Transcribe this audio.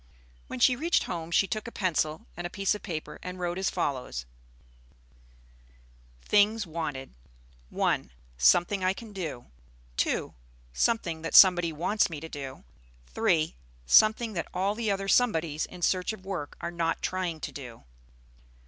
When she reached home she took a pencil and a piece of paper and wrote as follows: Things Wanted. 1. Something I can do. 2. Something that somebody wants me to do. 3. Something that all the other somebodies in search of work are not trying to do.